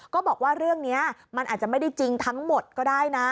ก็บอกว่าเรื่องนี้มันอาจจะไม่ได้จริงทั้งหมดก็ได้นะ